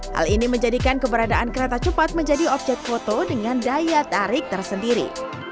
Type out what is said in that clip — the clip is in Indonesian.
hal ini menjadikan keberadaan kereta cepat menjadi objek foto dengan daya tarik tersendiri